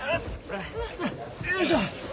よいしょ。